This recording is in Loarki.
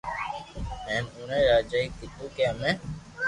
ھين اوڻي راجائي ڪآدو ڪي ھمي